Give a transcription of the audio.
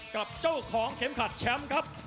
กับเจ้าของเข็มขัดแชมป์ครับ